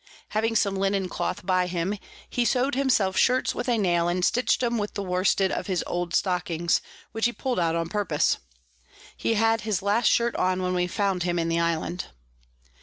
Having some Linen Cloth by him, he sow'd himself Shirts with a Nail, and stitch'd 'em with the Worsted of his old Stockings, which he pull'd out on purpose. He had his last Shirt on when we found him in the Island.